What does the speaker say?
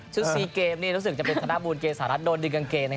ชุดซี่เกมรู้สึกจะเป็นสนามวูลเกษาระโดนดึงกางเกง